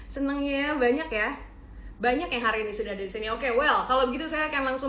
senangnya banyak ya banyak yang hari ini sudah ada disini oke well kalau begitu saya akan langsung